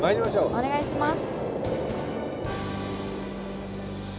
お願いします。